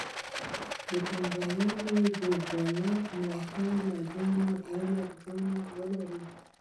د پانګوالۍ بلاک ملاتړ له ځانه ولري.